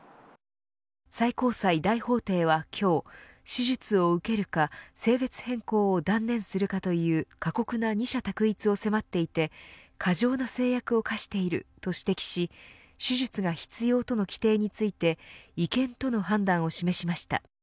最高裁大法廷は今日手術を受けるか性別変更を断念するかという過酷な二者択一を迫っていて過剰な制約を課していると指摘し手術が必要との規定について違憲との判断を示しました。